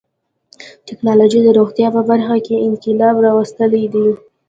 ټکنالوجي د روغتیا په برخه کې انقلاب راوستی دی.